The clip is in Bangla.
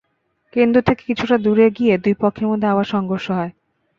কেন্দ্র থেকে কিছুটা দূরে গিয়ে দুই পক্ষের মধ্যে আবার সংঘর্ষ হয়।